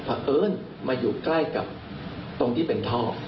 เพราะเอิญมาอยู่ใกล้กับตรงที่เป็นท่อ